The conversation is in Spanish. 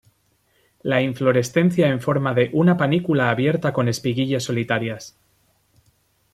La inflorescencia en forma de una panícula abierta con espiguillas solitarias.